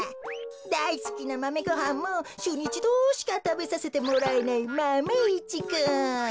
だいすきなマメごはんもしゅうにいちどしかたべさせてもらえないマメ１くん。